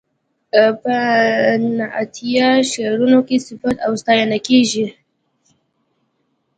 په نعتیه شعرونو کې صفت او ستاینه کیږي.